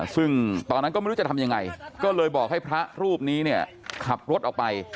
ซึ่งตอนนั้นก็ไม่รู้จะทำยังไงก็เลยบอกให้พระรูปนี้เนี่ยขับรถออกไป